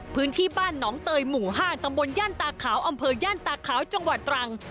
พื้นที่บ้านหนองเตยหมู่๕ตำบลย่านตาขาวอำเภอย่านตาขาวจังหวัดตรัง